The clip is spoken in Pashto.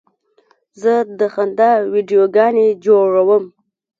زه د خندا ویډیوګانې جوړوم.